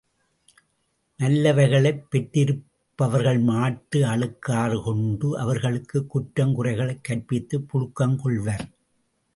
நல்லவைகளைப் பெற்றிருப்பவர்கள் மாட்டு அழுக்காறு கொண்டு அவர்களுக்குக் குற்றங் குறைகளைக் கற்பித்துப் புழுக்கங் கொள்வர்!